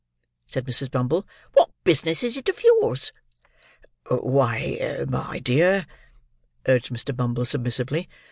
said Mrs. Bumble. "What business is it of yours?" "Why, my dear—" urged Mr. Bumble submissively.